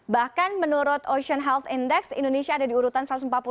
bahkan menurut ocean health index indonesia ada di urutan satu ratus empat puluh lima